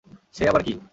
সে আবার কী?